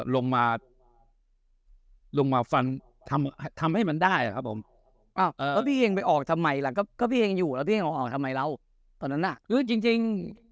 ลงมาลงมาฟันทำทำให้มันได้ครับผมออกทำไมแล้วตอนนั้นจริง